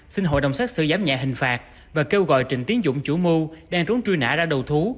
xin hội đồng xét xử giám nhẹ hình phạt và kêu gọi trình tiến dụng chủ mưu đang trốn truy nã ra đầu thú